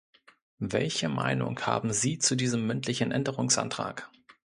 Welche Meinung haben Sie zu diesem mündlichen Änderungsantrag?